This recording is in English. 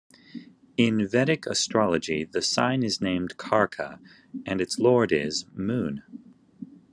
In Vedic astrology the sign is named Karka and its Lord is Moon.